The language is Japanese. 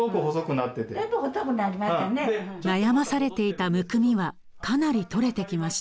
悩まされていたむくみはかなりとれてきました。